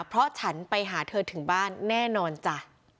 เพราะฉันไปหาเธอถึงบ้านแน่นอนจ้ะ